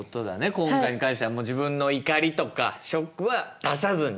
今回に関してはもう自分の怒りとかショックは出さずに。